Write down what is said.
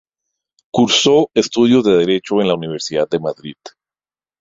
Cursó estudios de Derecho en la Universidad de Madrid.